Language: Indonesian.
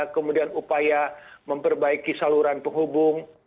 kemudian upaya memperbaiki saluran penghubung